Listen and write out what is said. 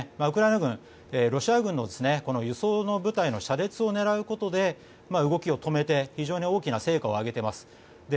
ウクライナ軍、ロシア軍の輸送の部隊の車列を狙うことで動きを止めて非常に大きな成果を上げています。